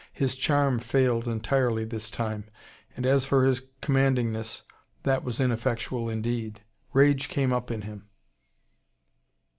His charm failed entirely this time: and as for his commandingness, that was ineffectual indeed. Rage came up in him.